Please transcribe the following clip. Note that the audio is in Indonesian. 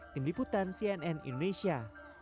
tim liputan cnn indonesia